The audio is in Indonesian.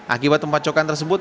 akibat tembacokan tersebut